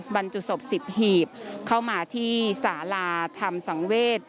บรรจุศพ๑๐หีบเข้ามาที่สาราธรรมสังเวศ